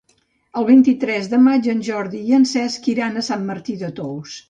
El vint-i-tres de maig en Jordi i en Cesc iran a Sant Martí de Tous.